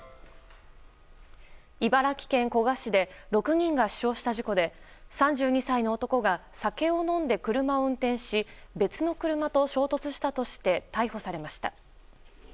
茨城県古河市で６人が死傷した事故で３２歳の男が酒を飲んで車を運転し別の車と衝突したとして逮捕されました。